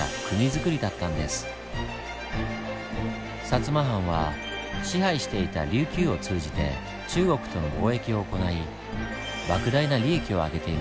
摩藩は支配していた琉球を通じて中国との貿易を行いばく大な利益をあげていました。